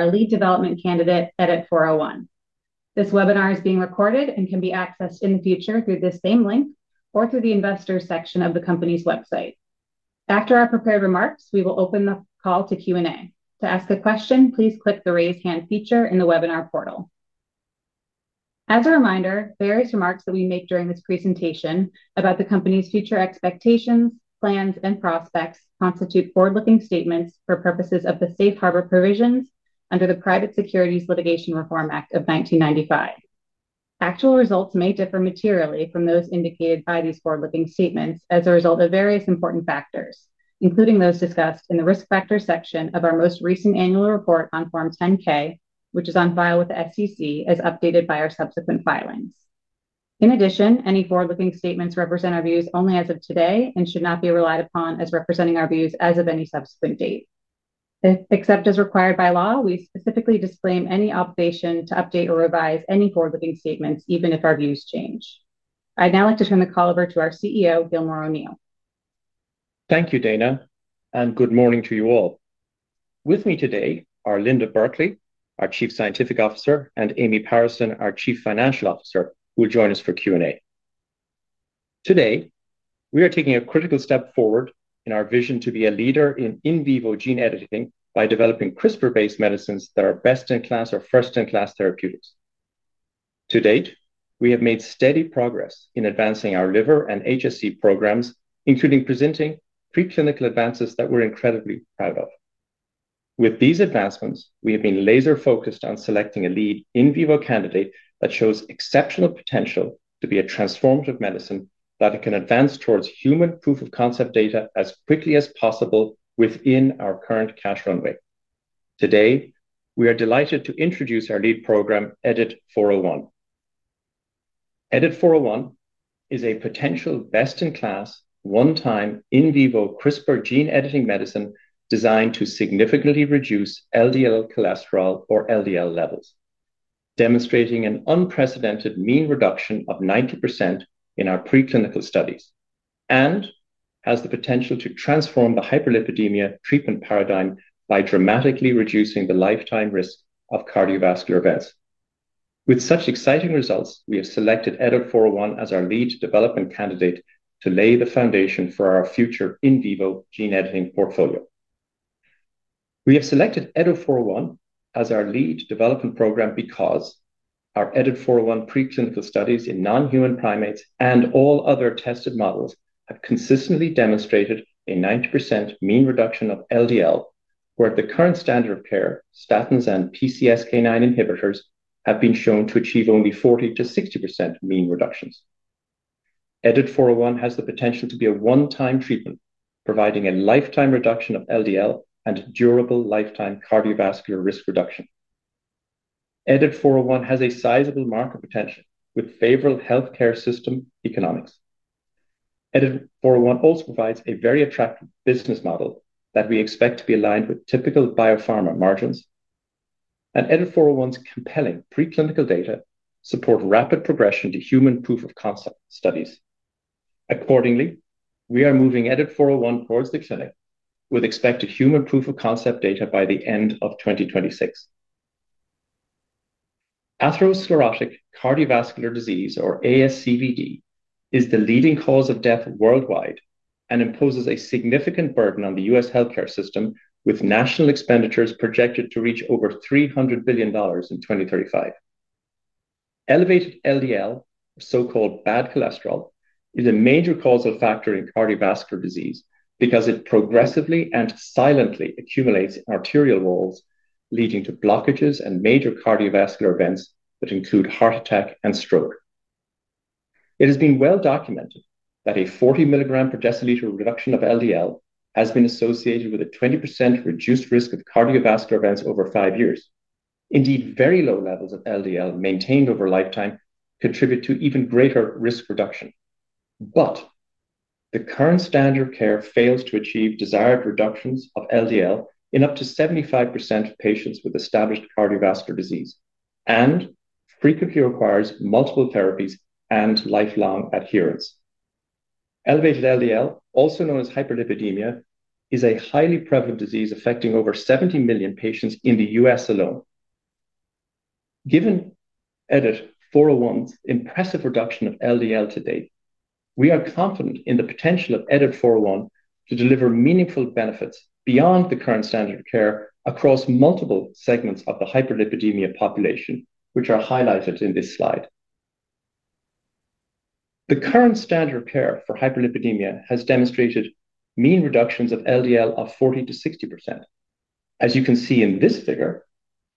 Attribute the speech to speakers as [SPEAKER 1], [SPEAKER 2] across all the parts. [SPEAKER 1] Our lead development candidate, EDIT-401. This webinar is being recorded and can be accessed in the future through this same link or through the Investors section of the company's website. After our prepared remarks, we will open the call to Q&A. To ask a question, please click the raise hand feature in the webinar portal. As a reminder, various remarks that we make during this presentation about the company's future expectations, plans, and prospects constitute forward-looking statements for purposes of the Safe Harbor Provision under the Private Securities Litigation Reform Act of 1995. Actual results may differ materially from those indicated by these forward-looking statements as a result of various important factors, including those discussed in the Risk Factors section of our most recent annual report on Form 10-K, which is on file with the SEC as updated by our subsequent filing. In addition, any forward-looking statements represent our views only as of today and should not be relied upon as representing our views as of any subsequent date. Except as required by law, we specifically disclaim any obligation to update or revise any forward-looking statements, even if our views change. I'd now like to turn the call over to our CEO, Gilmore O’Neill.
[SPEAKER 2] Thank you, Dana, and good morning to you all. With me today are Linda Burkly, our Chief Scientific Officer, and Amy Parison, our Chief Financial Officer, who will join us for Q&A. Today, we are taking a critical step forward in our vision to be a leader in in vivo gene editing by developing CRISPR-based medicines that are best in class or first in class therapeutics. To date, we have made steady progress in advancing our liver and HSC programs, including presenting preclinical advances that we're incredibly proud of. With these advancements, we have been laser-focused on selecting a lead in vivo candidate that shows exceptional potential to be a transformative medicine that can advance towards human proof of concept data as quickly as possible within our current cash runway. Today, we are delighted to introduce our lead program, EDIT-401. EDIT-401 is a potential best in class, one-time in vivo CRISPR gene editing medicine designed to significantly reduce LDL cholesterol or LDL levels, demonstrating an unprecedented mean reduction of 90% in our preclinical studies and has the potential to transform the hyperlipidemia treatment paradigm by dramatically reducing the lifetime risk of cardiovascular events. With such exciting results, we have selected EDIT-401 as our lead development candidate to lay the foundation for our future in vivo gene editing portfolio. We have selected EDIT-401 as our lead development program because our EDIT-401 preclinical studies in non-human primates and all other tested models have consistently demonstrated a 90% mean reduction of LDL, where the current standard of care, statins and PCSK9 inhibitors, have been shown to achieve only 40%-60% mean reductions. EDIT-401 has the potential to be a one-time treatment, providing a lifetime reduction of LDL and durable lifetime cardiovascular risk reduction. EDIT-401 has a sizable market potential with favorable healthcare system economics. EDIT-401 also provides a very attractive business model that we expect to be aligned with typical biopharma margins, and EDIT-401's compelling preclinical data support rapid progression to human proof of concept studies. Accordingly, we are moving EDIT-401 towards the clinic with expected human proof of concept data by the end of 2026. Atherosclerotic cardiovascular disease, or ASCVD, is the leading cause of death worldwide and imposes a significant burden on the U.S. healthcare system, with national expenditures projected to reach over $300 billion in 2035. Elevated LDL, or so-called bad cholesterol, is a major causal factor in cardiovascular disease because it progressively and silently accumulates in arterial walls, leading to blockages and major cardiovascular events that include heart attack and stroke. It has been well documented that a 40 mg/dL reduction of LDL has been associated with a 20% reduced risk of cardiovascular events over five years. Indeed, very low levels of LDL maintained over a lifetime contribute to even greater risk reduction. The current standard of care fails to achieve desired reductions of LDL in up to 75% of patients with established cardiovascular disease and frequently requires multiple therapies and lifelong adherence. Elevated LDL, also known as hyperlipidemia, is a highly prevalent disease affecting over 70 million patients in the U.S. alone. Given EDIT-401's impressive reduction of LDL to date, we are confident in the potential of EDIT-401 to deliver meaningful benefits beyond the current standard of care across multiple segments of the hyperlipidemia population, which are highlighted in this slide. The current standard of care for hyperlipidemia has demonstrated mean reductions of LDL of 40%-60%. As you can see in this figure,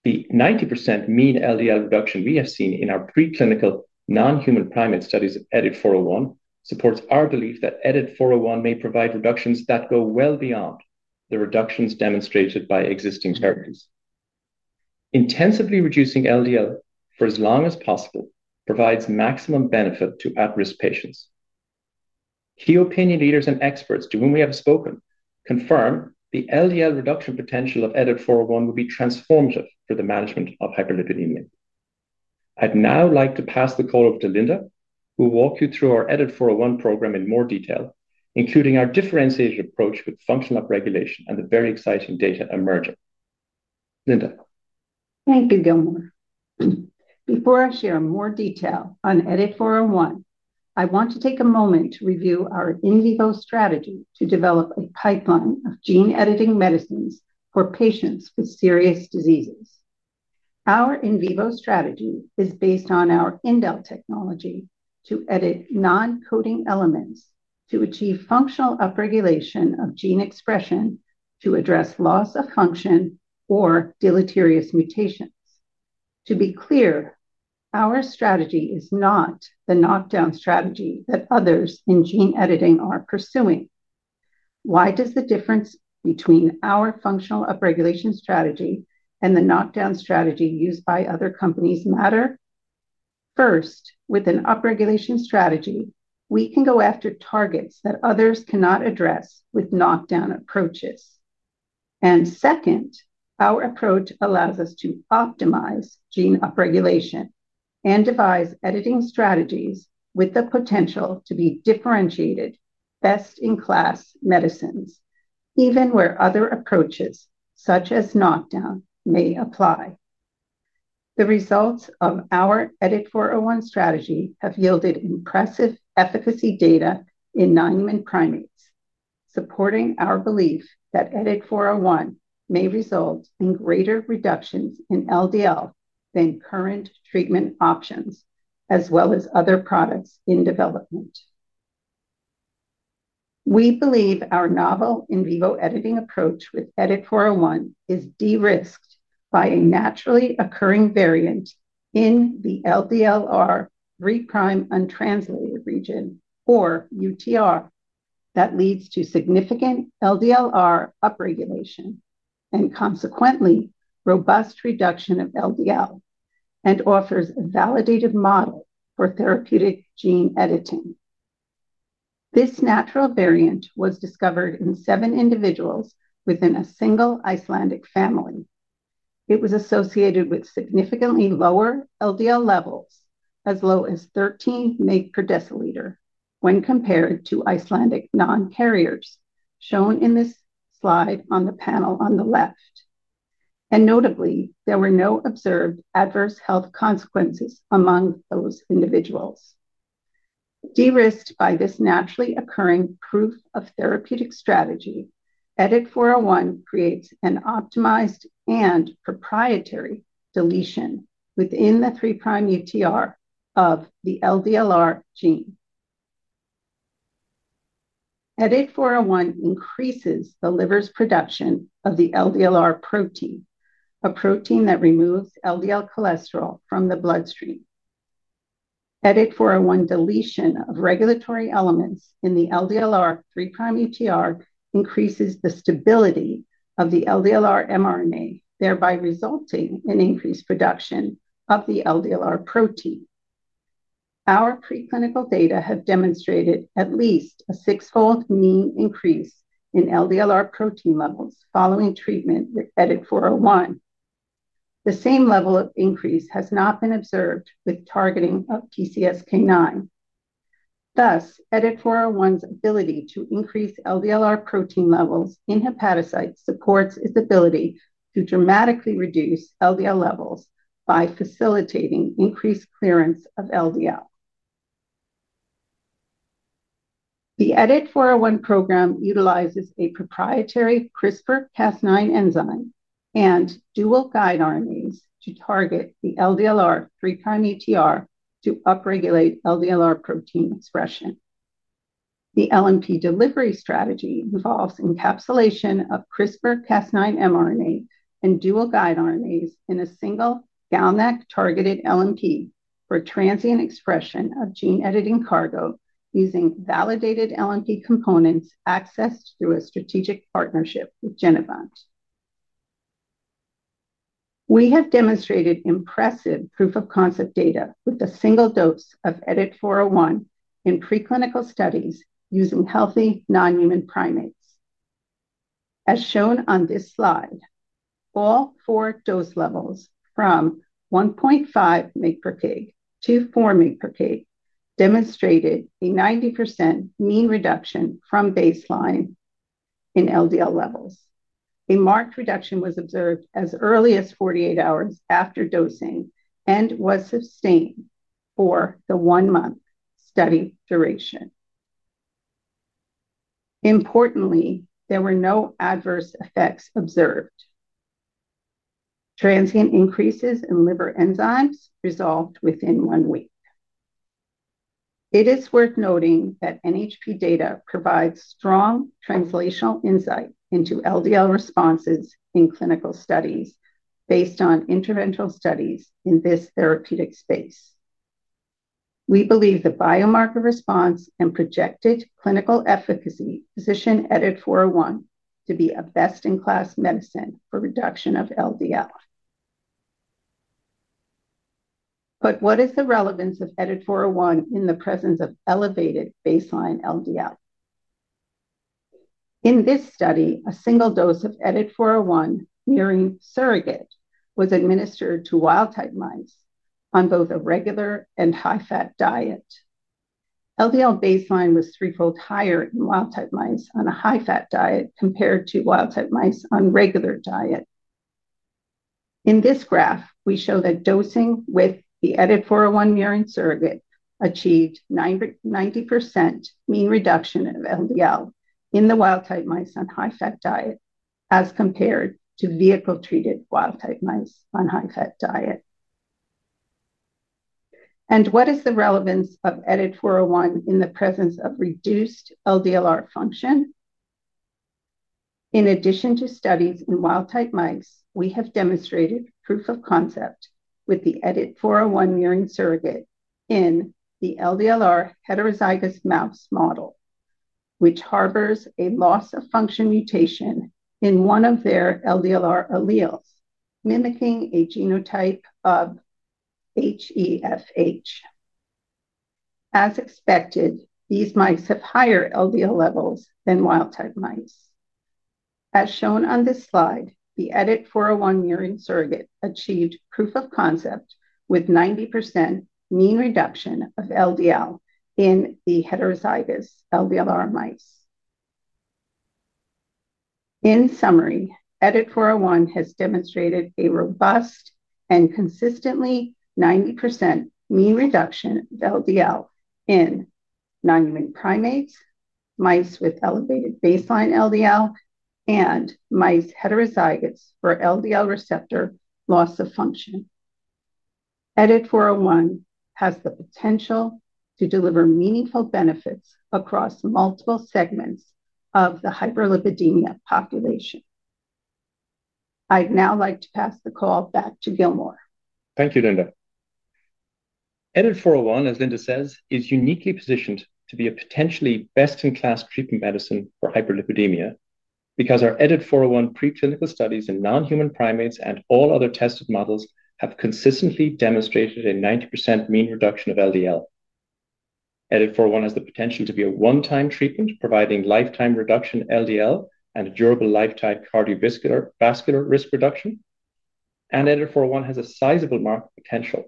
[SPEAKER 2] the 90% mean LDL reduction we have seen in our preclinical non-human primate studies of EDIT-401 supports our belief that EDIT-401 may provide reductions that go well beyond the reductions demonstrated by existing therapies. Intensively reducing LDL for as long as possible provides maximum benefit to at-risk patients. Key opinion leaders and experts to whom we have spoken confirm the LDL reduction potential of EDIT-401 will be transformative for the management of hyperlipidemia. I'd now like to pass the call over to Linda, who will walk you through our EDIT-401 program in more detail, including our differentiated approach with functional regulation and the very exciting data emerging. Linda.
[SPEAKER 3] Thank you, Gilmore. Before I share more detail on EDIT-401, I want to take a moment to review our in vivo strategy to develop a pipeline of gene editing medicines for patients with serious diseases. Our in vivo strategy is based on our INDEL technology to edit non-coding elements to achieve functional upregulation of gene expression to address loss of function or deleterious mutations. To be clear, our strategy is not the knockdown strategy that others in gene editing are pursuing. Why does the difference between our functional upregulation strategy and the knockdown strategy used by other companies matter? First, with an upregulation strategy, we can go after targets that others cannot address with knockdown approaches. Second, our approach allows us to optimize gene upregulation and devise editing strategies with the potential to be differentiated best in class medicines, even where other approaches such as knockdown may apply. The results of our EDIT-401 strategy have yielded impressive efficacy data in non-human primates, supporting our belief that EDIT-401 may result in greater reductions in LDL than current treatment options, as well as other products in development. We believe our novel in vivo editing approach with EDIT-401 is de-risked by a naturally occurring variant in the LDLR 3' untranslated region, or UTR, that leads to significant LDLR upregulation and, consequently, robust reduction of LDL and offers a validated model for therapeutic gene editing. This natural variant was discovered in seven individuals within a single Icelandic family. It was associated with significantly lower LDL levels, as low as 13 mg/dL, when compared to Icelandic non-carriers shown in this slide on the panel on the left. Notably, there were no observed adverse health consequences among those individuals. De-risked by this naturally occurring proof of therapeutic strategy, EDIT-401 creates an optimized and proprietary deletion within the 3' UTR of the LDLR gene. EDIT-401 increases the liver's production of the LDLR protein, a protein that removes LDL cholesterol from the bloodstream. EDIT-401 deletion of regulatory elements in the LDLR 3' UTR increases the stability of the LDLR mRNA, thereby resulting in increased production of the LDLR protein. Our preclinical data have demonstrated at least a six-fold mean increase in LDLR protein levels following treatment with EDIT-401. The same level of increase has not been observed with targeting of PCSK9. Thus, EDIT-401's ability to increase LDLR protein levels in hepatocytes supports its ability to dramatically reduce LDL levels by facilitating increased clearance of LDL. The EDIT-401 program utilizes a proprietary CRISPR-Cas9 enzyme and dual guide RNAs to target the LDLR 3' UTR to upregulate LDLR protein expression. The LNP delivery strategy involves encapsulation of CRISPR-Cas9 mRNA and dual guide RNAs in a single GalNAc-targeted LNP for transient expression of gene editing cargo using validated LNP components accessed through a strategic partnership with Genevant. We have demonstrated impressive proof of concept data with a single dose of EDIT-401 in preclinical studies using healthy non-human primates. As shown on this slide, all four dose levels from 1.5 mg/kg-4 mg/kg demonstrated a 90% mean reduction from baseline in LDL levels. A marked reduction was observed as early as 48 hours after dosing and was sustained for the one-month study duration. Importantly, there were no adverse effects observed. Transient increases in liver enzymes resolved within one week. It is worth noting that NHP data provides strong translational insight into LDL responses in clinical studies based on interventional studies in this therapeutic space. We believe the biomarker response and projected clinical efficacy position EDIT-401 to be a best in class medicine for reduction of LDL. What is the relevance of EDIT-401 in the presence of elevated baseline LDL? In this study, a single dose of EDIT-401 mirin surrogate was administered to wild type mice on both a regular and high-fat diet. LDL baseline was threefold higher in wild type mice on a high-fat diet compared to wild type mice on a regular diet. In this graph, we show that dosing with the EDIT-401 mirin surrogate achieved 90% mean reduction of LDL in the wild type mice on a high-fat diet as compared to the vehicle-treated wild type mice on a high-fat diet. What is the relevance of EDIT-401 in the presence of reduced LDLR function? In addition to studies in wild type mice, we have demonstrated proof of concept with the EDIT-401 mirin surrogate in the LDLR heterozygous mouse model, which harbors a loss of function mutation in one of their LDLR alleles, mimicking a genotype of HEFH. As expected, these mice have higher LDL levels than wild type mice. As shown on this slide, the EDIT-401 mirin surrogate achieved proof of concept with 90% mean reduction of LDL in the heterozygous LDLR mice. In summary, EDIT-401 has demonstrated a robust and consistently 90% mean reduction of LDL in non-human primates, mice with elevated baseline LDL, and mice heterozygous for LDL receptor loss of function. EDIT-401 has the potential to deliver meaningful benefits across multiple segments of the hyperlipidemia population. I'd now like to pass the call back to Gilmore.
[SPEAKER 2] Thank you, Linda. EDIT-401, as Linda says, is uniquely positioned to be a potentially best-in-class treatment medicine for hyperlipidemia because our EDIT-401 preclinical studies in non-human primates and all other tested models have consistently demonstrated a 90% mean reduction of LDL. EDIT-401 has the potential to be a one-time treatment, providing lifetime reduction of LDL and durable lifetime cardiovascular risk reduction. EDIT-401 has a sizable market potential.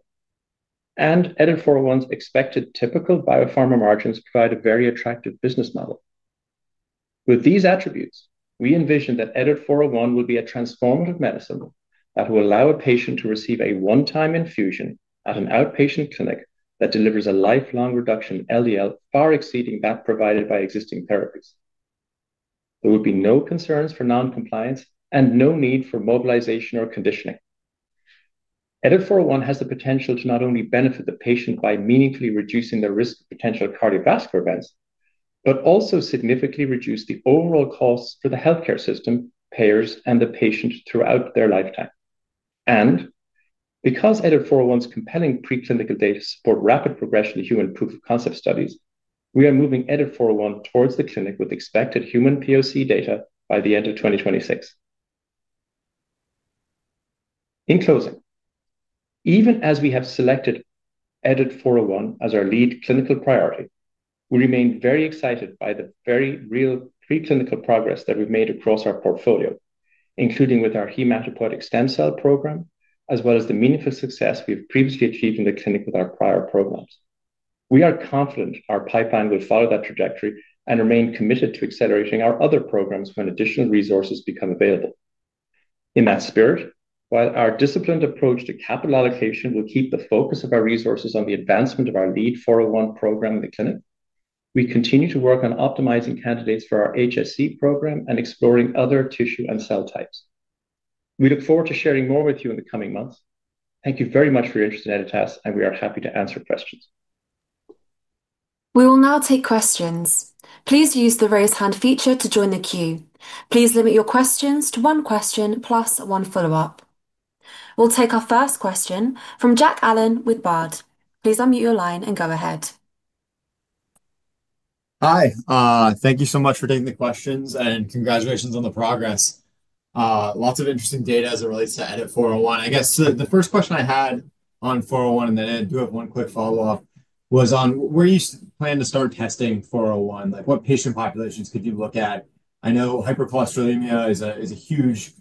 [SPEAKER 2] EDIT-401's expected typical biopharma margins provide a very attractive business model. With these attributes, we envision that EDIT-401 will be a transformative medicine that will allow a patient to receive a one-time infusion at an outpatient clinic that delivers a lifelong reduction in LDL, far exceeding that provided by existing therapies. There will be no concerns for noncompliance and no need for mobilization or conditioning. EDIT-401 has the potential to not only benefit the patient by meaningfully reducing their risk of potential cardiovascular events, but also significantly reduce the overall costs for the healthcare system, payers, and the patient throughout their lifetime. Because EDIT-401's compelling preclinical data support rapid progression to human proof of concept studies, we are moving EDIT-401 towards the clinic with expected human POC data by the end of 2026. In closing, even as we have selected EDIT-401 as our lead clinical priority, we remain very excited by the very real preclinical progress that we've made across our portfolio, including with our hematopoietic stem cell program, as well as the meaningful success we've previously achieved in the clinic with our prior programs. We are confident our pipeline will follow that trajectory and remain committed to accelerating our other programs when additional resources become available. In that spirit, while our disciplined approach to capital allocation will keep the focus of our resources on the advancement of our lead 401 program in the clinic, we continue to work on optimizing candidates for our HSC program and exploring other tissue and cell types. We look forward to sharing more with you in the coming months. Thank you very much for your interest in Editas, and we are happy to answer questions.
[SPEAKER 4] We will now take questions. Please use the raise hand feature to join the queue. Please limit your questions to one question plus one follow-up. We'll take our first question from Jack Allen with Baird. Please unmute your line and go ahead.
[SPEAKER 5] Hi. Thank you so much for taking the questions and congratulations on the progress. Lots of interesting data as it relates to EDIT-401. I guess the first question I had on 401, and then I do have one quick follow-up, was on where you plan to start testing 401. Like what patient populations could you look at? I know hypercholesterolemia is a huge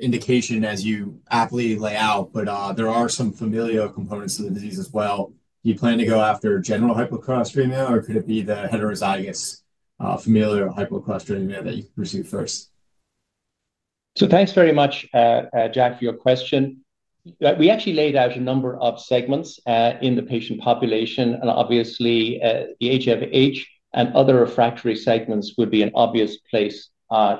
[SPEAKER 5] indication as you aptly lay out, but there are some familial components to the disease as well. Do you plan to go after general hypercholesterolemia, or could it be the heterozygous familial hypercholesterolemia that you pursue first?
[SPEAKER 2] Thank you very much, Jack, for your question. We actually laid out a number of segments in the patient population, and obviously the heterozygous familial hypercholesterolemia and other refractory segments would be an obvious place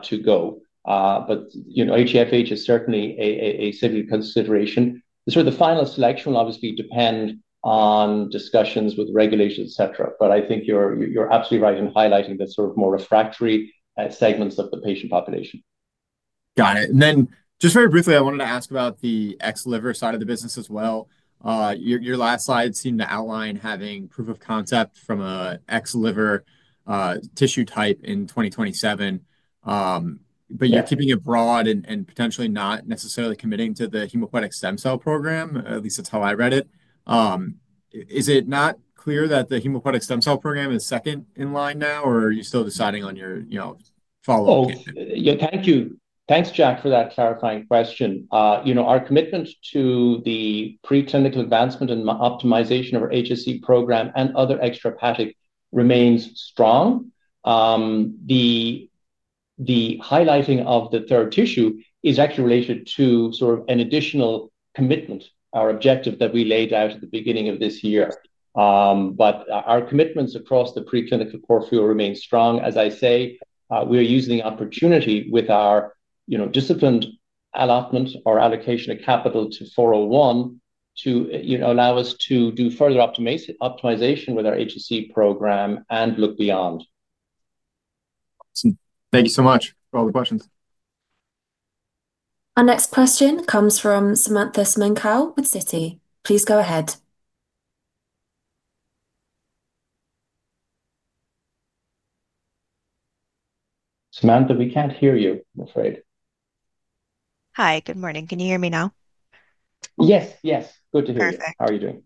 [SPEAKER 2] to go. Heterozygous familial hypercholesterolemia is certainly a significant consideration. The final selection will obviously depend on discussions with the regulators, et cetera. I think you're absolutely right in highlighting the more refractory segments of the patient population.
[SPEAKER 5] Got it. Very briefly, I wanted to ask about the ex-liver side of the business as well. Your last slide seemed to outline having proof of concept from an ex-liver tissue type in 2027. Keeping it broad and potentially not necessarily committing to the hematopoietic stem cell program, at least that's how I read it. Is it not clear that the hematopoietic stem cell program is second in line now, or are you still deciding on your follow-up?
[SPEAKER 2] Oh, yeah, thank you. Thanks, Jack, for that clarifying question. Our commitment to the preclinical advancement and optimization of our HSC program and other extra-hepatic remains strong. The highlighting of the third tissue is actually related to sort of an additional commitment, our objective that we laid out at the beginning of this year. Our commitments across the preclinical portfolio remain strong. As I say, we are using the opportunity with our disciplined allotment or allocation of capital to 401 to allow us to do further optimization with our HSC program and look beyond.
[SPEAKER 5] Thank you so much for all the questions.
[SPEAKER 4] Our next question comes from Samantha Semenkow with Citi. Please go ahead.
[SPEAKER 2] Samantha, we can't hear you, I'm afraid.
[SPEAKER 6] Hi, good morning. Can you hear me now?
[SPEAKER 2] Yes, yes, good to hear you.
[SPEAKER 6] Perfect.
[SPEAKER 2] How are you doing?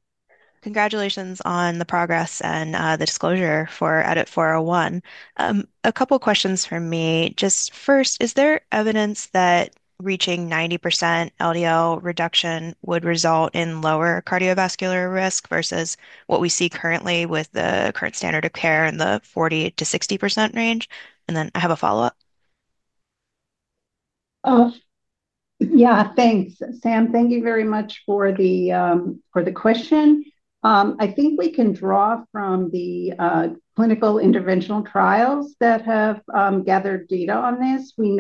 [SPEAKER 6] Congratulations on the progress and the disclosure for EDIT-401. A couple of questions from me. First, is there evidence that reaching 90% LDL reduction would result in lower cardiovascular risk versus what we see currently with the current standard of care in the 40%-60% range? I have a follow-up.
[SPEAKER 3] Yeah, thanks, Sam. Thank you very much for the question. I think we can draw from the clinical interventional trials that have gathered data on this. We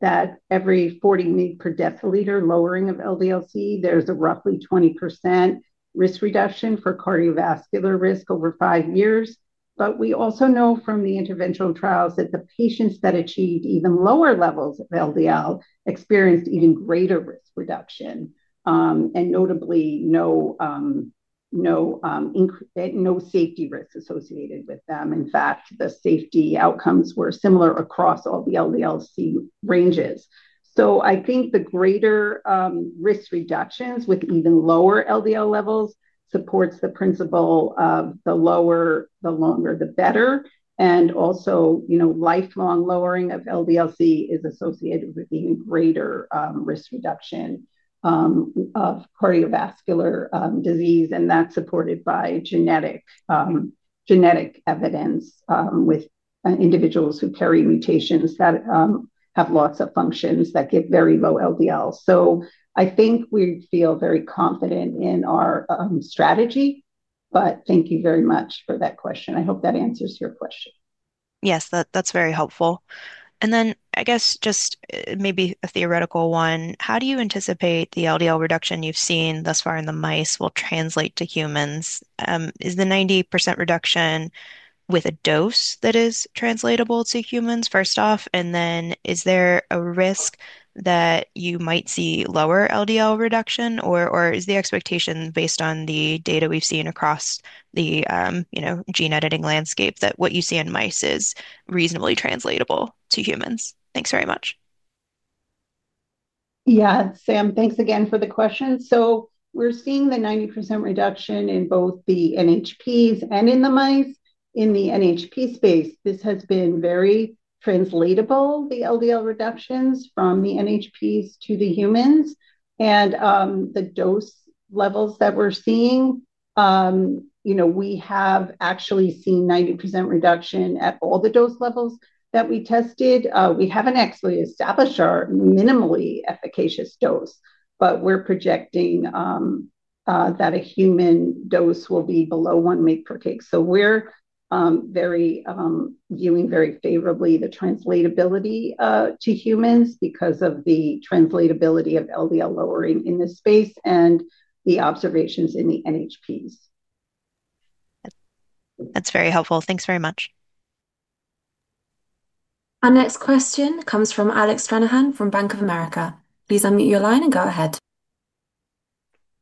[SPEAKER 3] know that every 40 mg/dL lowering of LDL-C, there's a roughly 20% risk reduction for cardiovascular risk over five years. We also know from the interventional trials that the patients that achieved even lower levels of LDL experienced even greater risk reduction and notably no safety risks associated with them. In fact, the safety outcomes were similar across all the LDL-C ranges. I think the greater risk reductions with even lower LDL levels support the principle of the lower, the longer, the better. Also, you know, lifelong lowering of LDL-C is associated with even greater risk reduction of cardiovascular disease, and that's supported by genetic evidence with individuals who carry mutations that have loss of function that get very low LDL. I think we feel very confident in our strategy. Thank you very much for that question. I hope that answers your question.
[SPEAKER 6] Yes, that's very helpful. I guess just maybe a theoretical one. How do you anticipate the LDL reduction you've seen thus far in the mice will translate to humans? Is the 90% reduction with a dose that is translatable to humans, first off? Is there a risk that you might see lower LDL reduction, or is the expectation based on the data we've seen across the gene editing landscape that what you see in mice is reasonably translatable to humans? Thanks very much.
[SPEAKER 3] Yeah, Sam, thanks again for the question. We're seeing the 90% reduction in both the non-human primates and in the mice. In the non-human primate space, this has been very translatable, the LDL reductions from the non-human primates to the humans. The dose levels that we're seeing, you know, we have actually seen 90% reduction at all the dose levels that we tested. We haven't actually established our minimally efficacious dose, but we're projecting that a human dose will be below 1 mg/kg. We're viewing very favorably the translatability to humans because of the translatability of LDL lowering in this space and the observations in the non-human primates.
[SPEAKER 6] That's very helpful. Thanks very much.
[SPEAKER 4] Our next question comes from Alex Finnegan from Bank of America. Please unmute your line and go ahead.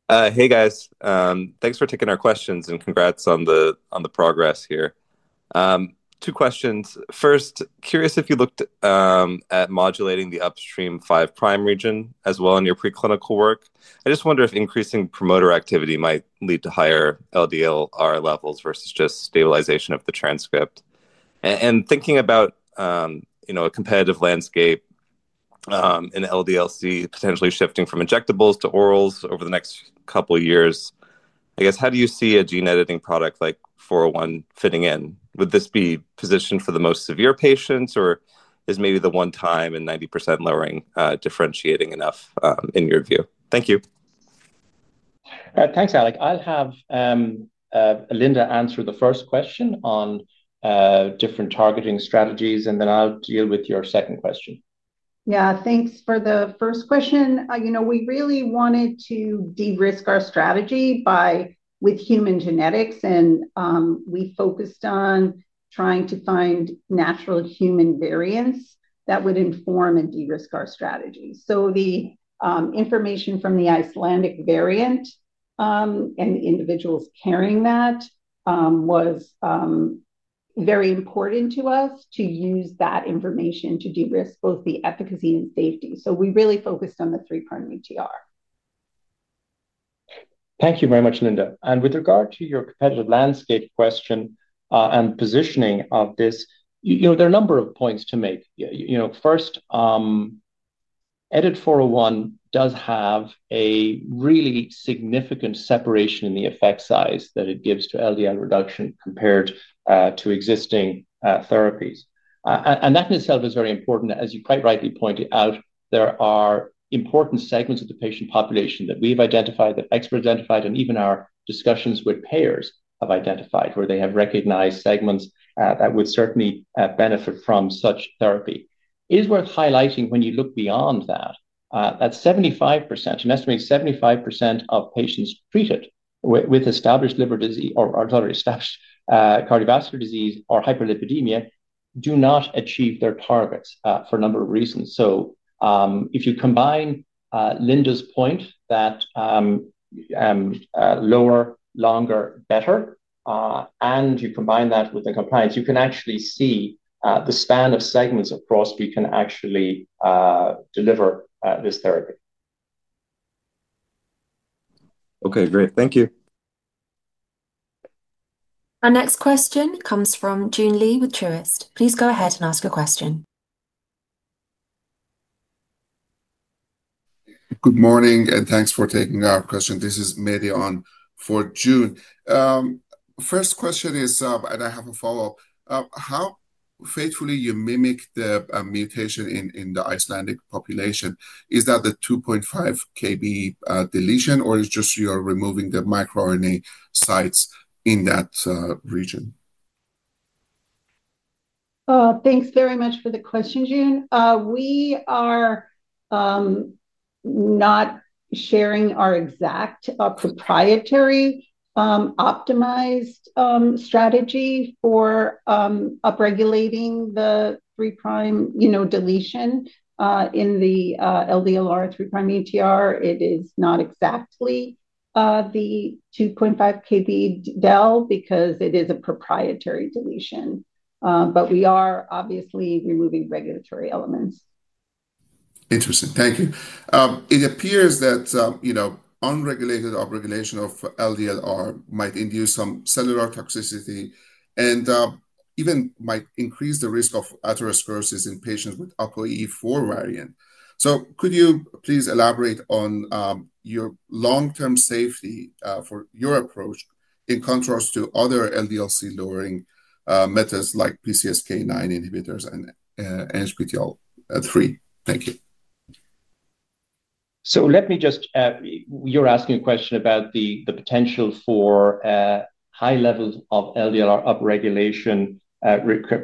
[SPEAKER 7] Hey, guys. Thanks for taking our questions and congrats on the progress here. Two questions. First, curious if you looked at modulating the upstream 5' region as well in your preclinical work. I just wonder if increasing promoter activity might lead to higher LDLR levels versus just stabilization of the transcript. Thinking about a competitive landscape and LDL-C potentially shifting from injectables to orals over the next couple of years, I guess how do you see a gene editing product like EDIT-401 fitting in? Would this be positioned for the most severe patients, or is maybe the one time in 90% lowering differentiating enough in your view? Thank you.
[SPEAKER 2] Thanks, Alex. I'll have Linda answer the first question on different targeting strategies, and then I'll deal with your second question.
[SPEAKER 3] Yeah, thanks for the first question. We really wanted to de-risk our strategy with human genetics, and we focused on trying to find natural human variants that would inform and de-risk our strategy. The information from the Icelandic variant and individuals carrying that was very important to us to use that information to de-risk both the efficacy and safety. We really focused on the 3' UTR.
[SPEAKER 2] Thank you very much, Linda. With regard to your competitive landscape question and positioning of this, there are a number of points to make. First, EDIT-401 does have a really significant separation in the effect size that it gives to LDL reduction compared to existing therapies, and that in itself is very important. As you quite rightly pointed out, there are important segments of the patient population that we've identified, that experts identified, and even our discussions with payers have identified where they have recognized segments that would certainly benefit from such therapy. It is worth highlighting when you look beyond that, that 75%, an estimated 75% of patients treated with established liver disease or established cardiovascular disease or hyperlipidemia, do not achieve their targets for a number of reasons. If you combine Linda's point that lower, longer, better, and you combine that with the compliance, you can actually see the span of segments across who can actually deliver this therapy.
[SPEAKER 7] OK, great. Thank you.
[SPEAKER 4] Our next question comes from Joon Lee with Truist. Please go ahead and ask a question.
[SPEAKER 8] Good morning, and thanks for taking our question. This is Mehdi for Joon. First question is, and I have a follow-up. How faithfully you mimic the mutation in the Icelandic population, is that the 2.5 kb deletion, or is it just you are removing the microRNA sites in that region?
[SPEAKER 3] Thanks very much for the question, June. We are not sharing our exact proprietary optimized strategy for upregulating the 3' deletion in the LDLR 3' UTR. It is not exactly the 2.5 kb deletion because it is a proprietary deletion. We are obviously removing regulatory elements.
[SPEAKER 8] Interesting. Thank you. It appears that unregulated upregulation of LDLR might induce some cellular toxicity and even might increase the risk of atherosclerosis in patients with APOE4 variant. Could you please elaborate on your long-term safety for your approach in contrast to other LDL-C lowering methods like PCSK9 inhibitors and SGLT3? Thank you.
[SPEAKER 2] Let me just, you're asking a question about the potential for high levels of LDLR upregulation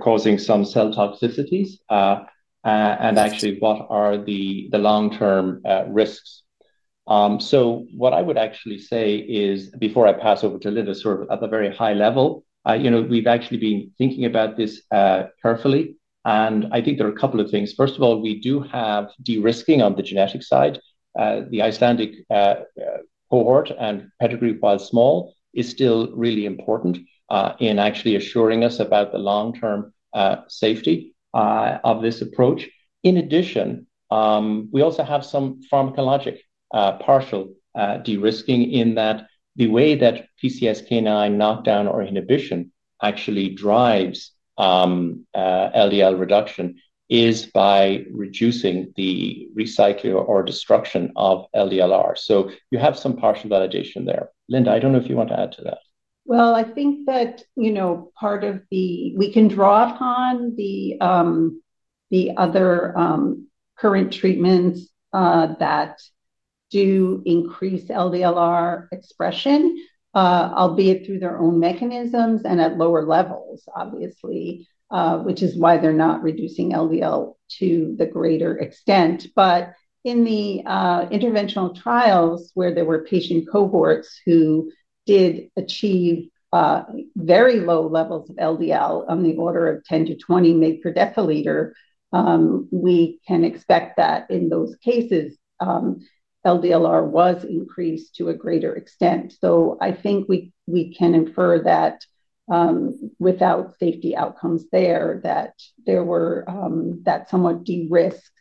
[SPEAKER 2] causing some cell toxicities and actually what are the long-term risks. What I would actually say is, before I pass over to Linda, at the very high level, we've actually been thinking about this carefully. I think there are a couple of things. First of all, we do have de-risking on the genetic side. The Icelandic cohort and heterogeneity, while small, is still really important in actually assuring us about the long-term safety of this approach. In addition, we also have some pharmacologic partial de-risking in that the way that PCSK9 knockdown or inhibition actually drives LDL reduction is by reducing the recycling or destruction of LDLR. You have some partial validation there. Linda, I don't know if you want to add to that.
[SPEAKER 3] I think that, you know, part of the, we can draw upon the other current treatments that do increase LDLR expression, albeit through their own mechanisms and at lower levels, obviously, which is why they're not reducing LDL to the greater extent. In the interventional trials where there were patient cohorts who did achieve very low levels of LDL on the order of 10 mg/dL-20 mg/dL, we can expect that in those cases, LDLR was increased to a greater extent. I think we can infer that without safety outcomes there, that there were that somewhat de-risked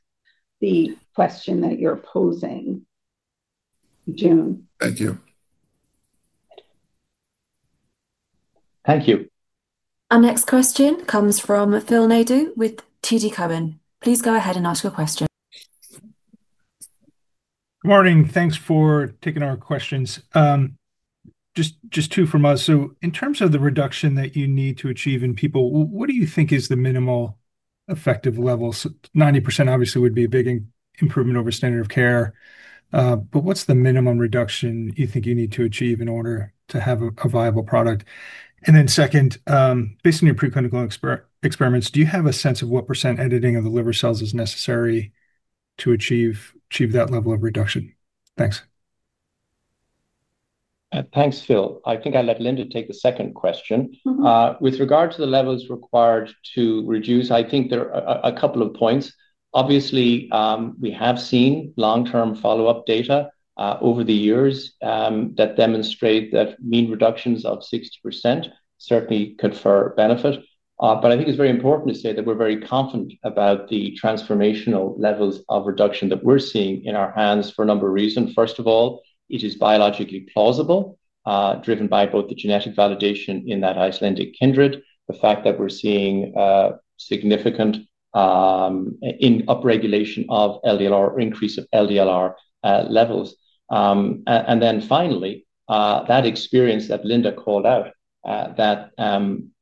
[SPEAKER 3] the question that you're posing.
[SPEAKER 8] Thank you.
[SPEAKER 2] Thank you.
[SPEAKER 4] Our next question comes from Phil Nadeau with TD Cowen. Please go ahead and ask your question.
[SPEAKER 9] Morning. Thanks for taking our questions. Just two from us. In terms of the reduction that you need to achieve in people, what do you think is the minimal effective level? 90% obviously would be a big improvement over standard of care. What's the minimum reduction you think you need to achieve in order to have a viable product? Second, based on your preclinical experiments, do you have a sense of what percent editing of the liver cells is necessary to achieve that level of reduction? Thanks.
[SPEAKER 2] Thanks, Phil. I think I'll let Linda take the second question. With regard to the levels required to reduce, I think there are a couple of points. Obviously, we have seen long-term follow-up data over the years that demonstrate that mean reductions of 60% certainly could for benefit. I think it's very important to say that we're very confident about the transformational levels of reduction that we're seeing in our hands for a number of reasons. First of all, it is biologically plausible, driven by both the genetic validation in that Icelandic kindred, the fact that we're seeing significant upregulation of LDLR or increase of LDLR levels. Finally, that experience that Linda called out, that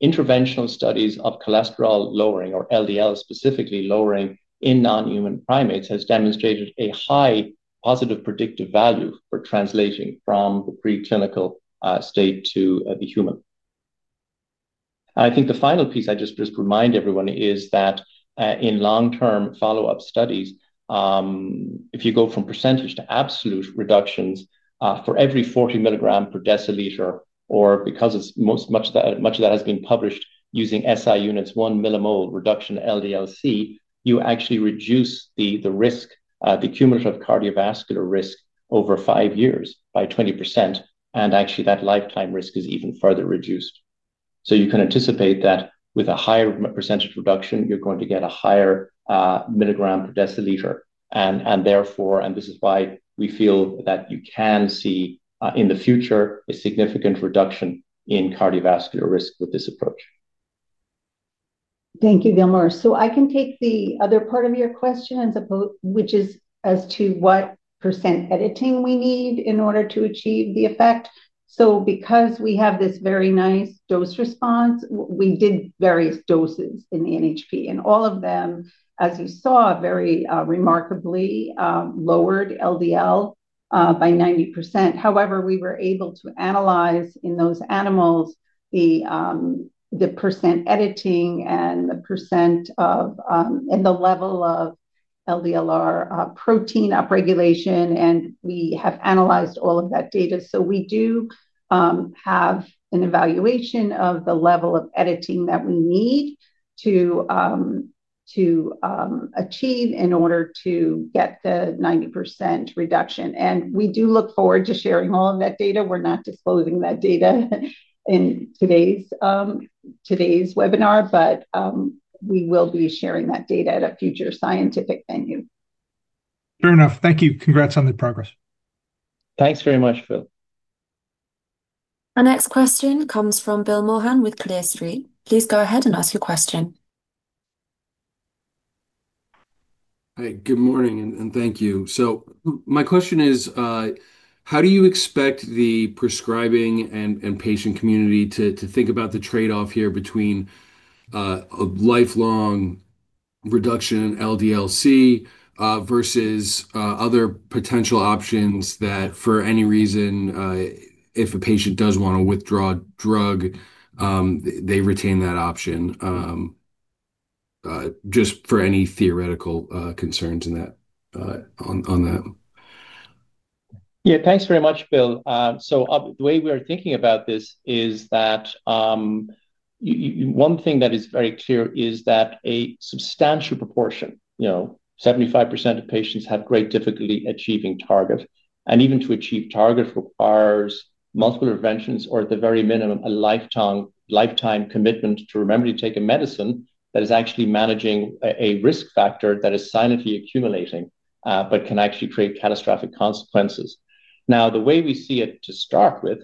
[SPEAKER 2] interventional studies of cholesterol lowering or LDL specifically lowering in non-human primates has demonstrated a high positive predictive value for translating from the preclinical state to the human. I think the final piece I just remind everyone is that in long-term follow-up studies, if you go from percentage to absolute reductions for every 40 mg/dL, or because much of that has been published using SI units, 1 mmol reduction LDL-C, you actually reduce the risk, the cumulative cardiovascular risk over five years by 20%. Actually, that lifetime risk is even further reduced. You can anticipate that with a higher percentage reduction, you're going to get a higher milligram per deciliter. Therefore, this is why we feel that you can see in the future a significant reduction in cardiovascular risk with this approach.
[SPEAKER 3] Thank you, Gilmore. I can take the other part of your question, which is as to what percent editing we need in order to achieve the effect. Because we have this very nice dose response, we did various doses in the non-human primate, and all of them, as you saw, very remarkably lowered LDL by 90%. However, we were able to analyze in those animals the percent editing and the percent of the level of LDLR protein upregulation. We have analyzed all of that data. We do have an evaluation of the level of editing that we need to achieve in order to get the 90% reduction. We do look forward to sharing all of that data. We're not disclosing that data in today's webinar, but we will be sharing that data at a future scientific venue.
[SPEAKER 9] Fair enough. Thank you. Congrats on the progress.
[SPEAKER 2] Thanks very much, Phil.
[SPEAKER 4] Our next question comes from [Bill Mohan] with [Craigstreet]. Please go ahead and ask your question.
[SPEAKER 10] Good morning, and thank you. My question is, how do you expect the prescribing and patient community to think about the trade-off here between a lifelong reduction in LDL-C versus other potential options that, for any reason, if a patient does want to withdraw a drug, they retain that option? Just for any theoretical concerns on that.
[SPEAKER 2] Yeah, thanks very much, Bill. The way we are thinking about this is that one thing that is very clear is that a substantial proportion, you know, 75% of patients have great difficulty achieving targets. Even to achieve targets requires multiple interventions or, at the very minimum, a lifetime commitment to remember to take a medicine that is actually managing a risk factor that is silently accumulating but can actually create catastrophic consequences. The way we see it to start with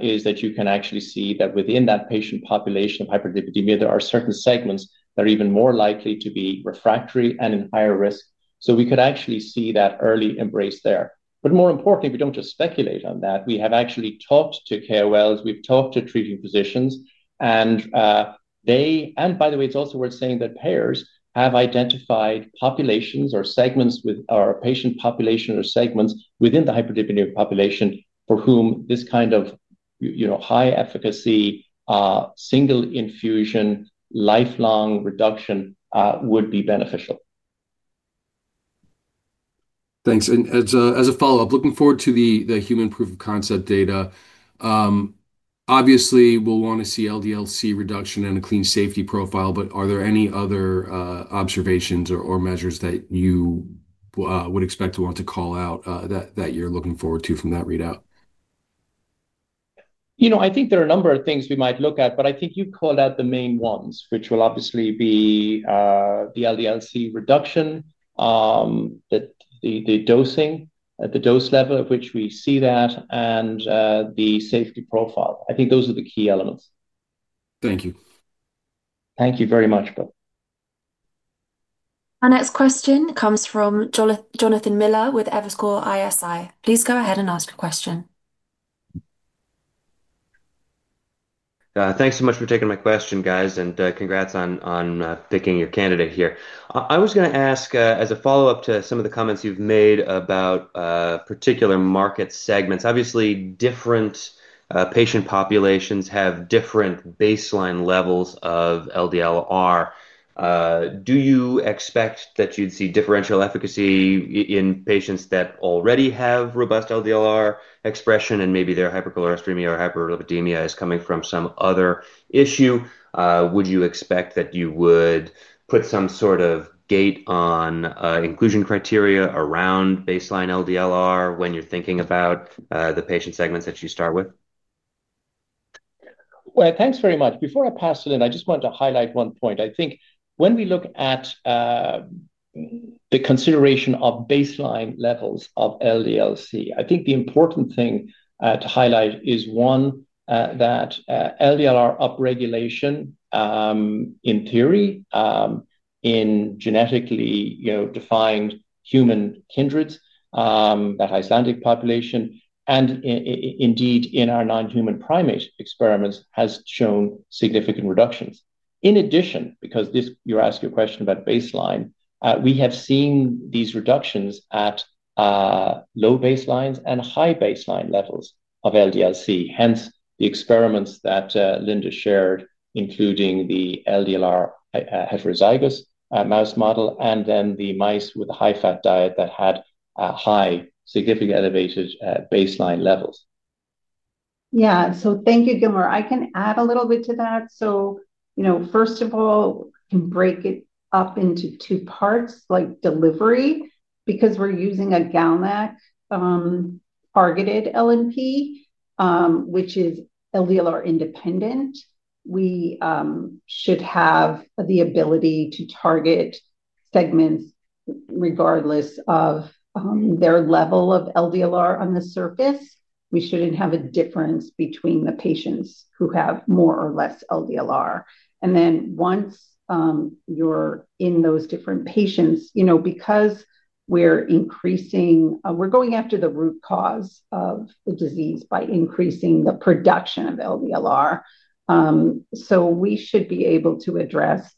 [SPEAKER 2] is that you can actually see that within that patient population of hyperlipidemia, there are certain segments that are even more likely to be refractory and in higher risk. We could actually see that early embrace there. More importantly, if you don't just speculate on that, we have actually talked to KOLs. We've talked to treating physicians. By the way, it's also worth saying that payers have identified populations or segments or patient populations or segments within the hyperlipidemia population for whom this kind of high efficacy single infusion lifelong reduction would be beneficial.
[SPEAKER 10] Thanks. As a follow-up, looking forward to the human proof of concept data. Obviously, we'll want to see LDL-C reduction and a clean safety profile. Are there any other observations or measures that you would expect to want to call out that you're looking forward to from that readout?
[SPEAKER 2] I think there are a number of things we might look at, but I think you've called out the main ones, which will obviously be the LDL-C reduction, the dosing at the dose level at which we see that, and the safety profile. I think those are the key elements.
[SPEAKER 10] Thank you.
[SPEAKER 2] Thank you very much, Bill.
[SPEAKER 4] Our next question comes from Jonathan Miller with Evercore ISI. Please go ahead and ask your question.
[SPEAKER 11] Thanks so much for taking my question, guys, and congrats on picking your candidate here. I was going to ask, as a follow-up to some of the comments you've made about particular market segments, obviously different patient populations have different baseline levels of LDLR. Do you expect that you'd see differential efficacy in patients that already have robust LDLR expression and maybe their hypercholesterolemia or hyperlipidemia is coming from some other issue? Would you expect that you would put some sort of gate on inclusion criteria around baseline LDLR when you're thinking about the patient segments that you start with?
[SPEAKER 2] Thank you very much. Before I pass it in, I just want to highlight one point. I think when we look at the consideration of baseline levels of LDL-C, the important thing to highlight is, one, that LDLR upregulation, in theory, in genetically defined human kindreds, that Icelandic population, and indeed in our non-human primate experiments has shown significant reductions. In addition, because you asked your question about baseline, we have seen these reductions at low baselines and high baseline levels of LDL-C. Hence, the experiments that Linda shared, including the LDLR heterozygous mouse model and then the mice with a high-fat diet that had high, significantly elevated baseline levels.
[SPEAKER 3] Thank you, Gilmore. I can add a little bit to that. First of all, you can break it up into two parts, like delivery. Because we're using a GalNAc-targeted lipid nanoparticle, which is LDLR independent, we should have the ability to target segments regardless of their level of LDLR on the surface. We shouldn't have a difference between the patients who have more or less LDLR. Once you're in those different patients, because we're increasing, we're going after the root cause of the disease by increasing the production of LDLR. We should be able to address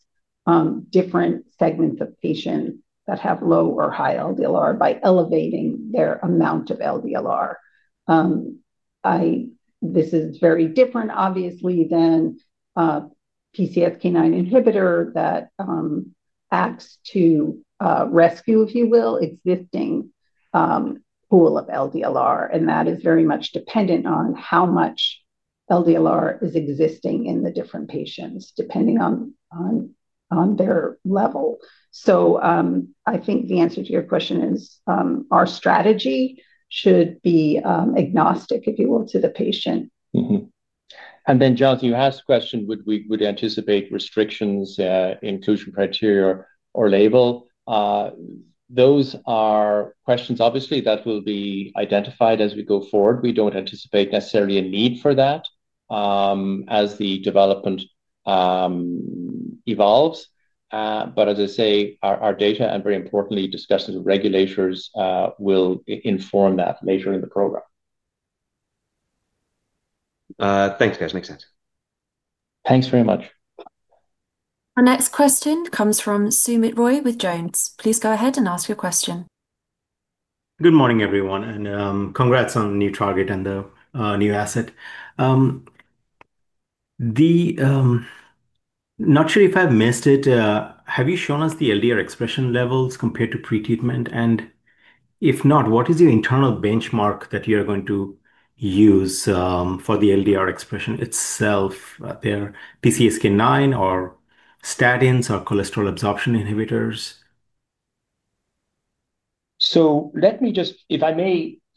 [SPEAKER 3] different segments of patients that have low or high LDLR by elevating their amount of LDLR. This is very different, obviously, than a PCSK9 inhibitor that acts to rescue, if you will, the existing pool of LDLR. That is very much dependent on how much LDLR is existing in the different patients, depending on their level. I think the answer to your question is our strategy should be agnostic, if you will, to the patient.
[SPEAKER 2] Jon, you asked a question, would we anticipate restrictions, inclusion criteria, or label? Those are questions, obviously, that will be identified as we go forward. We don't anticipate necessarily a need for that as the development evolves. As I say, our data and, very importantly, discussing with regulators will inform that later in the program.
[SPEAKER 11] Thanks, guys. Makes sense.
[SPEAKER 2] Thanks very much.
[SPEAKER 4] Our next question comes from Soumit Roy with Jones. Please go ahead and ask your question.
[SPEAKER 12] Good morning, everyone. Congrats on the new target and the new asset. Not sure if I've missed it. Have you shown us the LDLR expression levels compared to pre-treatment? If not, what is your internal benchmark that you're going to use for the LDLR expression itself? Their PCSK9 or statins or cholesterol absorption inhibitors?
[SPEAKER 2] Let me just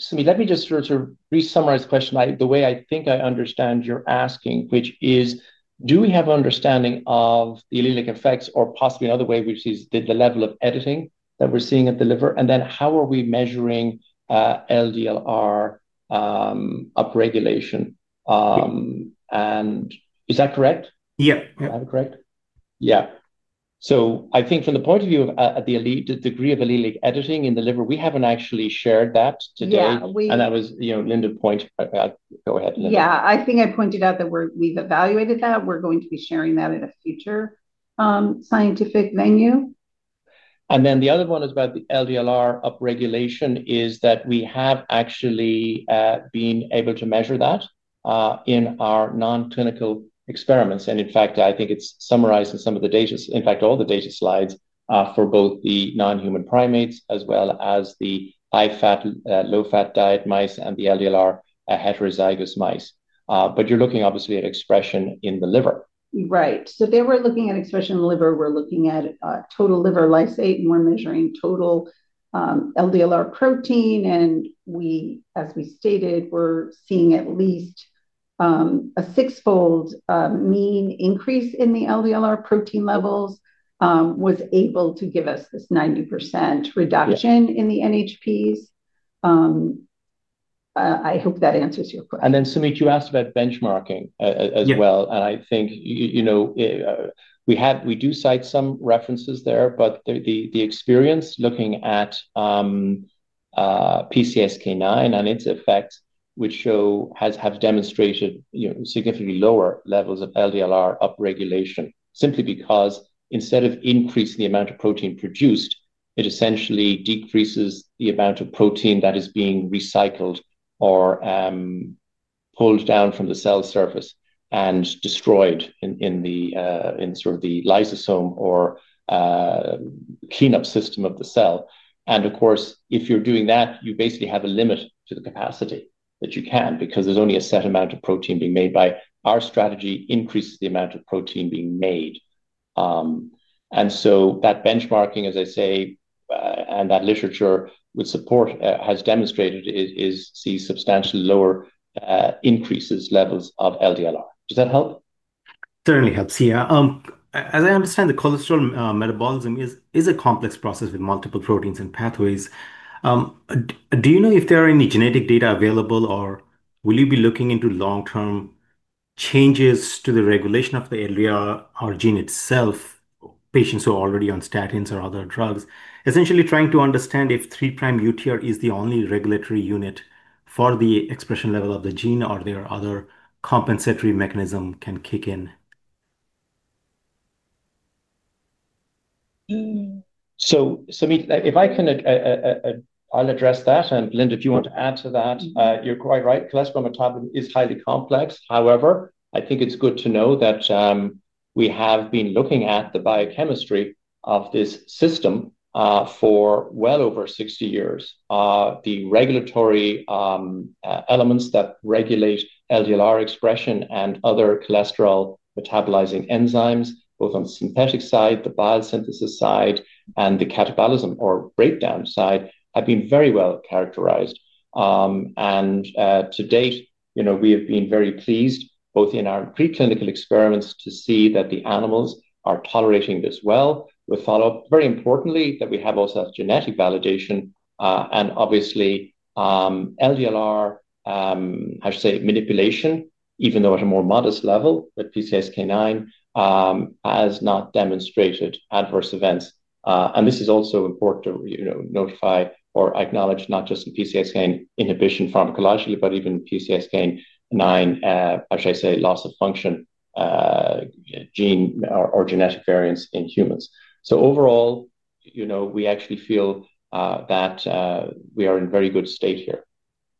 [SPEAKER 2] resummarize the question by the way I think I understand you're asking, which is, do we have an understanding of the allelic effects or possibly another way, which is the level of editing that we're seeing at the liver? How are we measuring LDLR upregulation? Is that correct?
[SPEAKER 12] Yeah.
[SPEAKER 2] I have it correct?
[SPEAKER 12] Yeah.
[SPEAKER 2] I think from the point of view of the degree of allelic editing in the liver, we haven't actually shared that today.
[SPEAKER 3] Yeah, we.
[SPEAKER 2] was, you know, Linda pointe. Go ahead.
[SPEAKER 3] Yeah, I think I pointed out that we've evaluated that. We're going to be sharing that at a future scientific venue.
[SPEAKER 2] The other one is about LDLR upregulation is that we have actually been able to measure that in our non-clinical experiments. In fact, I think it's summarizing some of the data, in fact, all the data slides for both the non-human primates as well as the high-fat, low-fat diet mice and the LDLR heterozygous mice. You're looking obviously at expression in the liver.
[SPEAKER 3] Right. They were looking at expression in the liver. We're looking at total liver lysate, and we're measuring total LDLR protein. As we stated, we were seeing at least a six-fold mean increase in the LDLR protein levels, which was able to give us this 90% reduction in the NHPs. I hope that answers your question.
[SPEAKER 2] Sumit, you asked about benchmarking as well. We do cite some references there, but the experience looking at PCSK9 and its effects, which have demonstrated significantly lower levels of LDLR upregulation simply because instead of increasing the amount of protein produced, it essentially decreases the amount of protein that is being recycled or pulled down from the cell surface and destroyed in the lysosome or cleanup system of the cell. If you're doing that, you basically have a limit to the capacity that you can because there's only a set amount of protein being made. By our strategy, increase the amount of protein being made. That benchmarking, as I say, and that literature would support, has demonstrated is seeing substantially lower increases levels of LDLR. Does that help?
[SPEAKER 12] Certainly helps, yeah. As I understand, the cholesterol metabolism is a complex process with multiple proteins and pathways. Do you know if there are any genetic data available, or will you be looking into long-term changes to the regulation of the LDLR gene itself, patients who are already on statins or other drugs? Essentially trying to understand if 3' UTR is the only regulatory unit for the expression level of the gene, or are there other compensatory mechanisms that can kick in?
[SPEAKER 2] If I can, I'll address that. Linda, if you want to add to that, you're quite right. Cholesterol metabolism is highly complex. However, I think it's good to know that we have been looking at the biochemistry of this system for well over 60 years. The regulatory elements that regulate LDLR expression and other cholesterol metabolizing enzymes, both on the synthetic side, the biosynthesis side, and the catabolism or breakdown side, have been very well characterized. To date, we have been very pleased both in our preclinical experiments to see that the animals are tolerating this well. We'll follow up, very importantly, that we have also genetic validation. Obviously, LDLR, I should say, manipulation, even though at a more modest level, with PCSK9, has not demonstrated adverse events. This is also important to notify or acknowledge not just the PCSK9 inhibition pharmacologically, but even PCSK9, as I say, loss of function gene or genetic variants in humans. Overall, we actually feel that we are in a very good state here.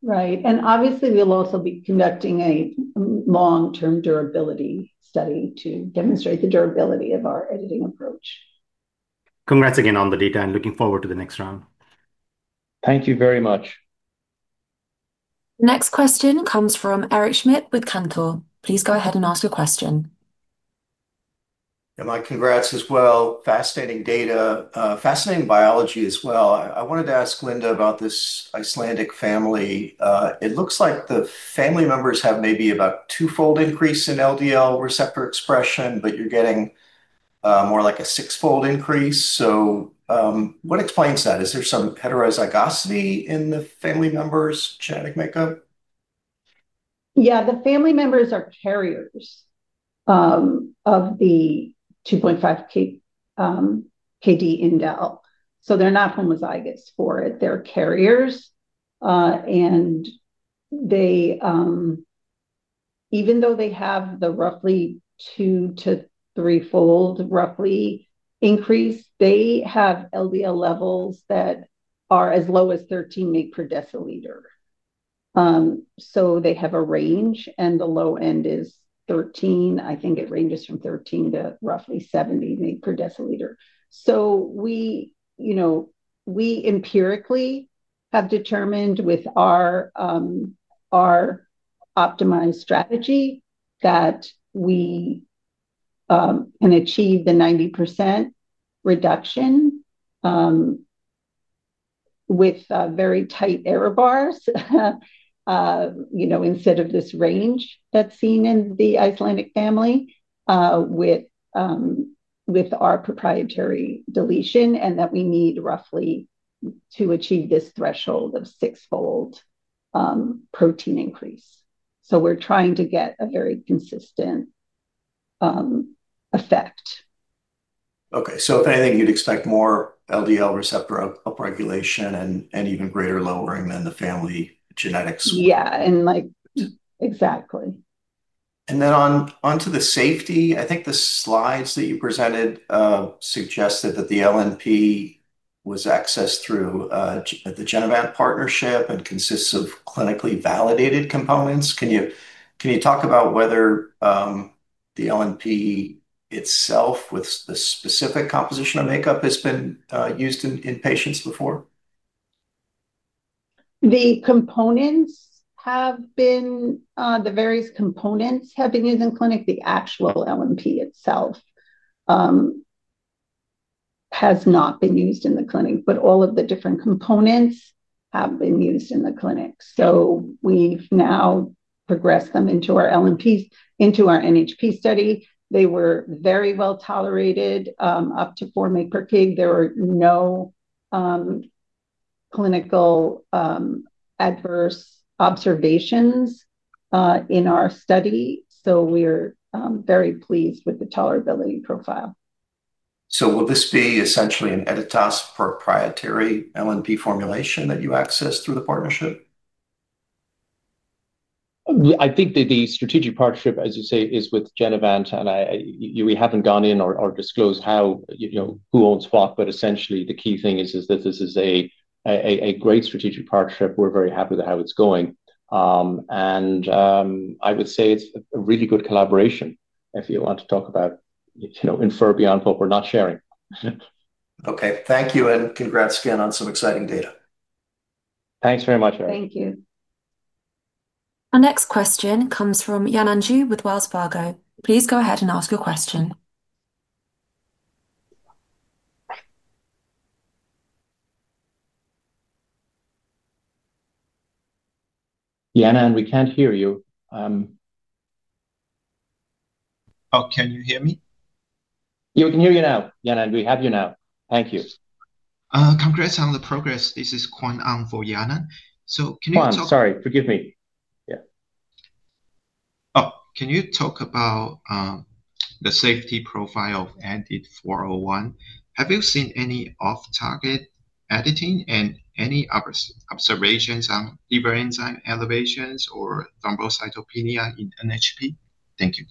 [SPEAKER 3] Right. Obviously, we'll also be conducting a long-term durability study to demonstrate the durability of our editing approach.
[SPEAKER 12] Congrats again on the data, and looking forward to the next round.
[SPEAKER 2] Thank you very much.
[SPEAKER 4] Next question comes from Eric Schmidt with Cantor. Please go ahead and ask your question.
[SPEAKER 13] Yeah, my congrats as well. Fascinating data, fascinating biology as well. I wanted to ask Linda about this Icelandic family. It looks like the family members have maybe about a two-fold increase in LDL receptor expression, but you're getting more like a six-fold increase. What explains that? Is there some heterozygosity in the family members, Chad and Michael?
[SPEAKER 3] Yeah, the family members are carriers of the 2.5 kD indel. They're not homozygous for it. They're carriers. Even though they have the roughly two to three-fold roughly increase, they have LDL levels that are as low as 13 mg/dL. They have a range, and the low end is 13. I can get ranges from 13 mg/dL-70 mg/dL. We empirically have determined with our optimized strategy that we can achieve the 90% reduction with very tight error bars, instead of this range that's seen in the Icelandic family with our proprietary deletion, and that we need roughly to achieve this threshold of six-fold protein increase. We're trying to get a very consistent effect.
[SPEAKER 13] OK, if anything, you'd expect more LDL receptor upregulation and even greater lowering than the family genetics.
[SPEAKER 3] Yeah, exactly.
[SPEAKER 13] Regarding the safety, I think the slides that you presented suggested that the LNP was accessed through the Genevant partnership and consists of clinically validated components. Can you talk about whether the LNP itself with the specific composition or makeup has been used in patients before?
[SPEAKER 3] The various components have been used in clinic. The actual LNP itself has not been used in the clinic, but all of the different components have been used in the clinic. We've now progressed them into our LNPs into our NHP study. They were very well tolerated up to 4 mg/kg. There were no clinical adverse observations in our study. We're very pleased with the tolerability profile.
[SPEAKER 13] Will this be essentially an Editas proprietary LNP formulation that you access through the partnership?
[SPEAKER 2] I think that the strategic partnership, as you say, is with Genevant. We haven't gone in or disclosed how, you know, who owns what. Essentially, the key thing is that this is a great strategic partnership. We're very happy with how it's going. I would say it's a really good collaboration if you want to talk about, you know, infer beyond what we're not sharing.
[SPEAKER 13] OK, thank you. Congrats again on some exciting data.
[SPEAKER 2] Thanks very much, Eric.
[SPEAKER 3] Thank you.
[SPEAKER 4] Our next question comes from Yanan Zhu with Wells Fargo. Please go ahead and ask your question.
[SPEAKER 2] Yanan, we can't hear you.
[SPEAKER 14] Oh, can you hear me?
[SPEAKER 2] Yeah, we can hear you now. Yanan, we have you now. Thank you.
[SPEAKER 14] Congrats on the progress. This is Quan Ang on for Yanan. Can you talk?
[SPEAKER 2] Sorry, forgive me. Yeah.
[SPEAKER 14] Oh, can you talk about the safety profile of EDIT-401? Have you seen any off-target editing, and any other observations on liver enzyme elevations or thrombocytopenia in the NHP? Thank you.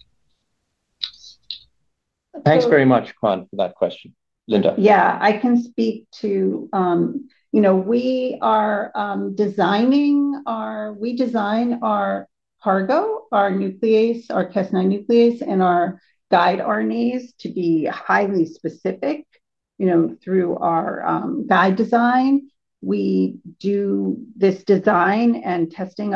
[SPEAKER 2] Thanks very much, Quan, for that question. Linda.
[SPEAKER 3] I can speak to, you know, we are designing our, we design our cargo, our nuclease, our Cas9 nuclease, and our guide RNAs to be highly specific, you know, through our guide design. We do this design and testing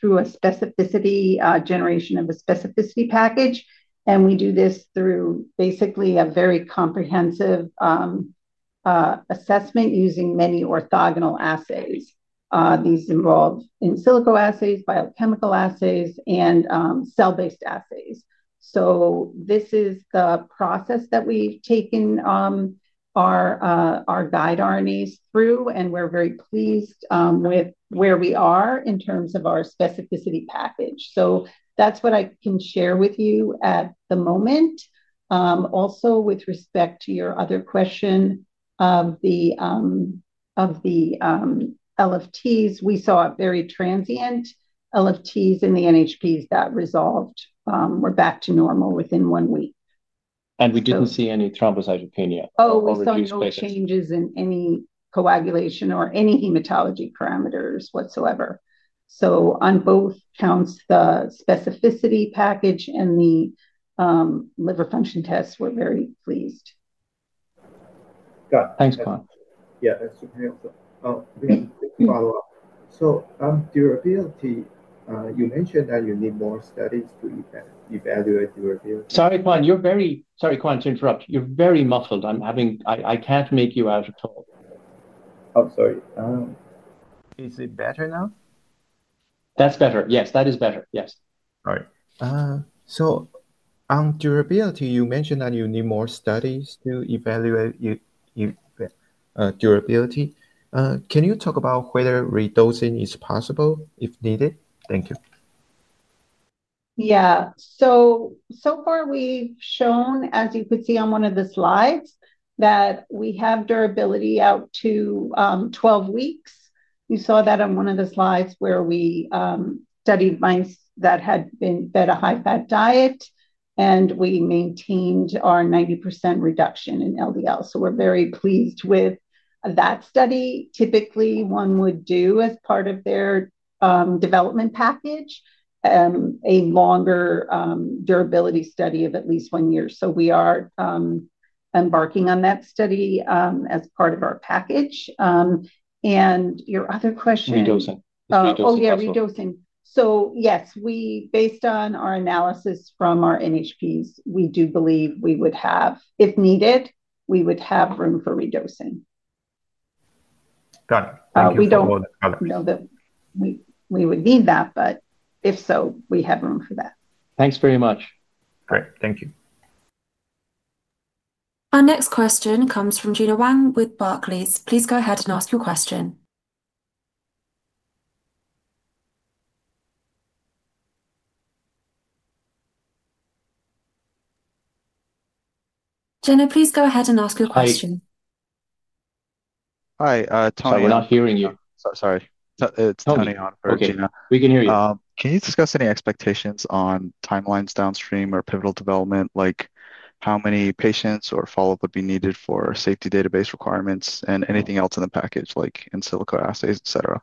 [SPEAKER 3] through a specificity generation of a specificity package. We do this through basically a very comprehensive assessment using many orthogonal assays. These involve in silico assays, biochemical assays, and cell-based assays. This is the process that we've taken our guide RNAs through, and we're very pleased with where we are in terms of our specificity package. That's what I can share with you at the moment. Also, with respect to your other question of the LFTs, we saw very transient LFTs in the NHPs that resolved. We're back to normal within one week.
[SPEAKER 2] We didn't see any thrombocytopenia.
[SPEAKER 3] We saw no changes in any coagulation or any hematology parameters whatsoever. On both counts, the specificity package and the liver function tests, we're very pleased.
[SPEAKER 14] Got it.
[SPEAKER 2] Thanks, Quan.
[SPEAKER 14] Yeah, that's a very helpful follow-up. Durability, you mentioned that you need more studies to evaluate durability.
[SPEAKER 2] Sorry, Quan, to interrupt. You're very muffled. I'm having trouble. I can't make you out.
[SPEAKER 14] Oh, sorry. Is it better now?
[SPEAKER 2] That's better. Yes, that is better. Yes.
[SPEAKER 14] All right. On durability, you mentioned that you need more studies to evaluate durability. Can you talk about whether redosing is possible if needed? Thank you.
[SPEAKER 3] So far, we've shown, as you could see on one of the slides, that we have durability out to 12 weeks. You saw that on one of the slides where we studied mice that had been fed a high-fat diet, and we maintained our 90% reduction in LDL. We're very pleased with that study. Typically, one would do as part of their development package a longer durability study of at least one year. We are embarking on that study as part of our package. Your other question?
[SPEAKER 2] Reducing.
[SPEAKER 3] Yes, based on our analysis from our NHPs, we do believe we would have, if needed, room for reducing.
[SPEAKER 14] Got it.
[SPEAKER 3] We don't know that we would need that, but if so, we have room for that.
[SPEAKER 14] Thanks very much.
[SPEAKER 2] All right, thank you.
[SPEAKER 4] Our next question comes from Gena Wang with Barclays. Please go ahead and ask your question. Gena, please go ahead and ask your question.
[SPEAKER 15] Hi, Tony.
[SPEAKER 2] Sorry, we're not hearing you.
[SPEAKER 15] Sorry.
[SPEAKER 2] Tony, we can hear you.
[SPEAKER 15] Can you discuss any expectations on timelines downstream or pivotal development, like how many patients or follow-up would be needed for safety database requirements, and anything else in the package, like in silico assays, et cetera?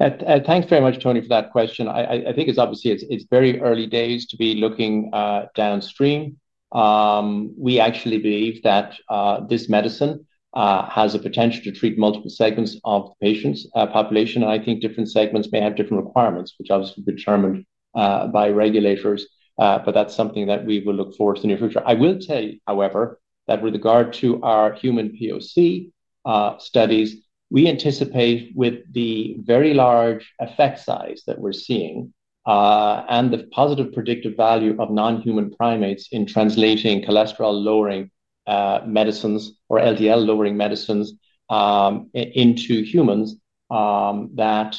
[SPEAKER 2] Thanks very much, Tony, for that question. I think it's obviously very early days to be looking downstream. We actually believe that this medicine has a potential to treat multiple segments of patients' population. I think different segments may have different requirements, which obviously is determined by regulators. That's something that we will look forward to in the near future. I will tell you, however, that with regard to our human POC studies, we anticipate with the very large effect size that we're seeing and the positive predictive value of non-human primates in translating cholesterol-lowering medicines or LDL-lowering medicines into humans, that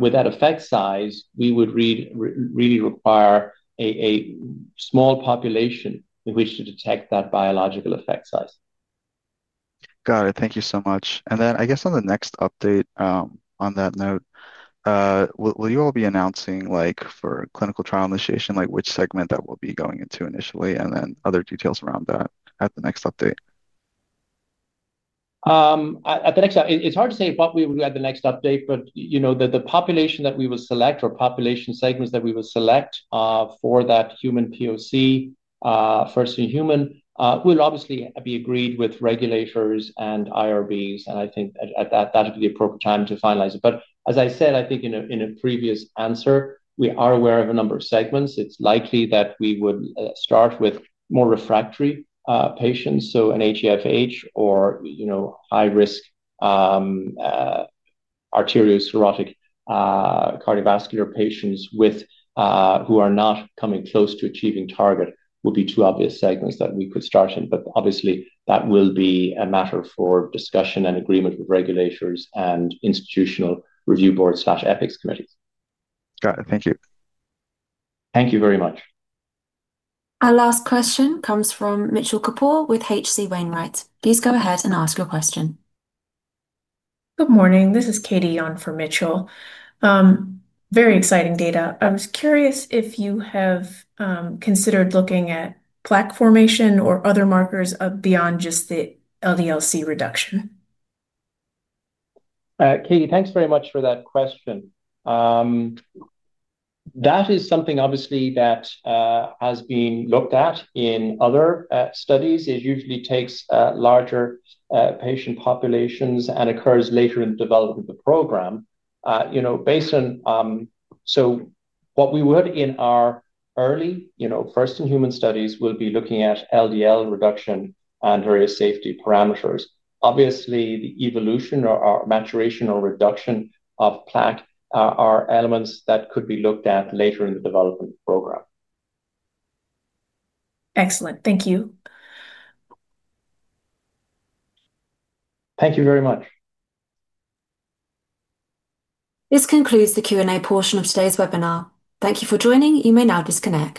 [SPEAKER 2] with that effect size, we would really require a small population in which to detect that biological effect size.
[SPEAKER 15] Got it. Thank you so much. I guess on the next update, on that note, will you all be announcing, for clinical trial initiation, which segment that we'll be going into initially and then other details around that at the next update?
[SPEAKER 2] At the next update, it's hard to say what we would do at the next update. The population that we will select or population segments that we will select for that human POC, first in human, will obviously be agreed with regulators and IRBs. I think that that would be the appropriate time to finalize it. As I said, I think in a previous answer, we are aware of a number of segments. It's likely that we would start with more refractory patients. An ATFH or high-risk arteriosclerotic cardiovascular patients who are not coming close to achieving target would be two obvious segments that we could start in. That will be a matter for discussion and agreement with regulators and institutional review boards/ethics committees.
[SPEAKER 15] Got it. Thank you.
[SPEAKER 2] Thank you very much.
[SPEAKER 4] Our last question comes from Mitchell Kapoor with H.C. Wainwright. Please go ahead and ask your question.
[SPEAKER 16] Good morning. This is Katie on for Mitchell. Very exciting data. I was curious if you have considered looking at plaque formation or other markers beyond just the LDL-C reduction.
[SPEAKER 2] Katie, thanks very much for that question. That is something obviously that has been looked at in other studies. It usually takes larger patient populations and occurs later in the development of the program. Based on what we would in our early, first in human studies, we will be looking at LDL reduction and various safety parameters. Obviously, the evolution or maturation or reduction of plaque are elements that could be looked at later in the development program.
[SPEAKER 16] Excellent. Thank you.
[SPEAKER 2] Thank you very much.
[SPEAKER 4] This concludes the Q&A portion of today's webinar. Thank you for joining. You may now disconnect.